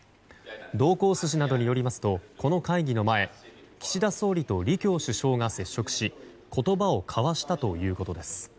同行筋などによりますとこの会議の前岸田総理と李強首相が接触し言葉を交わしたということです。